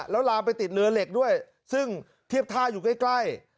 แล้วลามไปติดเรือเหล็กด้วยซึ่งเทียบท่าอยู่ใกล้